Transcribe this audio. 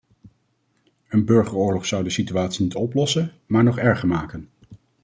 Een burgeroorlog zou de situatie niet oplossen maar nog erger maken.